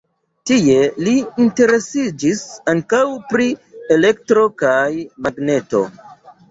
Tie li interesiĝis ankaŭ pri elektro kaj magneto.